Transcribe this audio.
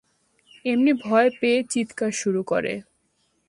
এম্নি ভয় পেয়ে চিৎকার শুরু করে।